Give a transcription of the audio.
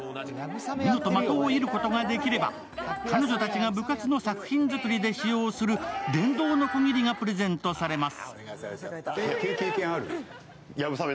見事、的を射ることができれば、彼女たちが部活の作品作りで使用する電動のこぎりがプレゼントされます。